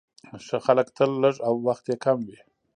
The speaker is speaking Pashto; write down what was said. ښه خلک تل لږ او وخت يې کم وي،